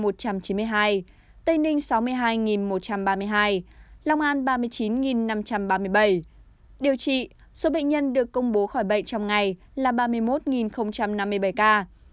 điều trị số bệnh nhân được công bố khỏi bệnh trong ngày là ba mươi một năm mươi bảy ca